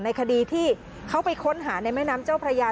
คดีที่เขาไปค้นหาในแม่น้ำเจ้าพระยา